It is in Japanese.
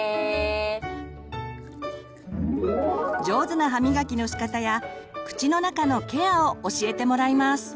上手な歯みがきのしかたや口の中のケアを教えてもらいます。